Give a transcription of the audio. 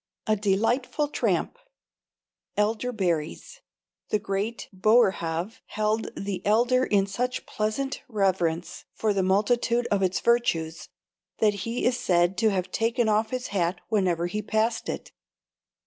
A delightful tramp! Elderberries. (The great Boerhaave held the elder in such pleasant reverence for the multitude of its virtues, that he is said to have taken off his hat whenever he passed it.)